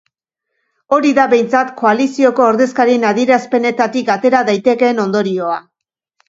Hori da behintzat koalizioko ordezkarien adierazpenetatik atera daitekeen ondorioa.